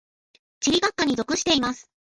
地理学科に属しています。